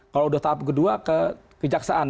kalau udah tahap ke dua ke kejaksaan